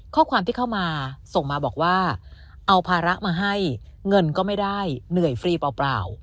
ข้อความที่เข้ามาส่งมาบอกว่าเอาภาระมาให้เงินก็ไม่ได้เหนื่อยฟรีเปล่า